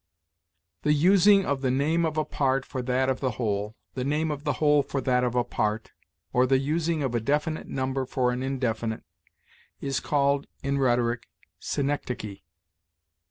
The using of the name of a part for that of the whole, the name of the whole for that of a part, or the using of a definite number for an indefinite, is called, in rhetoric, synecdoche.